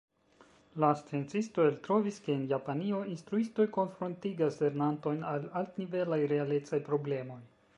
La sciencistoj eltrovis, ke en Japanio instruistoj konfrontigas lernantojn al altnivelaj realecaj problemoj.